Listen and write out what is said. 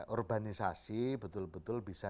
urbanisasi betul betul bisa